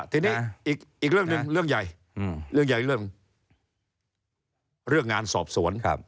ทีนี้อีกเรื่องหนึ่งเรื่องใหญ่เรื่องใหญ่เรื่องงานสอบสวน